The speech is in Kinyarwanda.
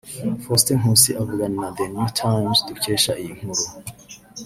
Faustin Nkusi avugana na The New Times dukesha iyi nkuru